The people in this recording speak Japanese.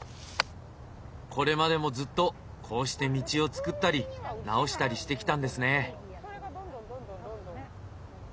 これまでもずっとこうして道をつくったり直したりしてきたんですね。